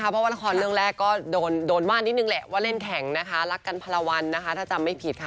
เพราะว่าละครเรื่องแรกก็โดนว่านิดนึงแหละว่าเล่นแข่งนะคะรักกันพละวันนะคะถ้าจำไม่ผิดค่ะ